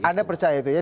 anda percaya itu ya